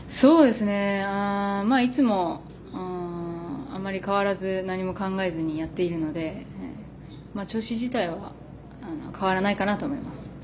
いつもあまり変わらず何も考えずにやっているので調子自体は変わらないかなと思います。